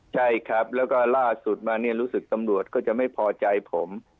ใช่ครับแล้วก็ล่าสุดมาเนี่ยรู้สึกตำรวจก็จะไม่พอใจผม